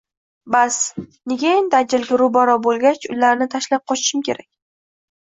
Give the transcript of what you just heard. Baski, nega endi ajalga ro‘baro‘ bo‘lgach, ularni tashlab qochishim kerak?!